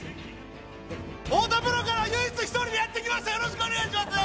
太田プロから唯一１人でやってきました